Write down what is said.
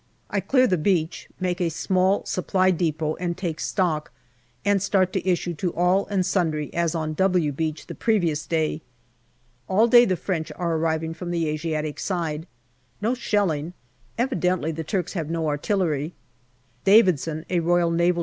I clear the beach, make a small Supply depot and take stock, and start to issue to all and sundry as on " W" Beach the previous day. All day the French are arriving from the Asiatic side. No shelling. Evidently the Turks have no artillery. Davidson, an R.N.D.